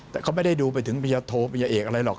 แต่เขาไม่ได้ดูไปถึงพญาโทพญาเอกอะไรหรอก